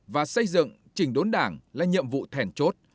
và xây dựng chỉnh đốn đảng là nhiệm vụ thèn chốt